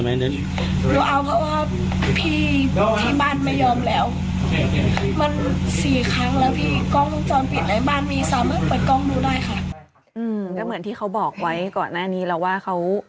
ก็เหมือนเขาบอกไว้ก่อนหน้านี้แล้วว่าเขา